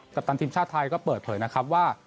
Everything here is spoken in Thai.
ปตันทีมชาติไทยก็เปิดเผยนะครับว่า